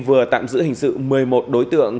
vừa tạm giữ hình sự một mươi một đối tượng